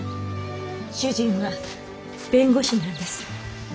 主人は弁護士なんです。